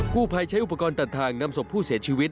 ผู้ภัยใช้อุปกรณ์ตัดทางนำศพผู้เสียชีวิต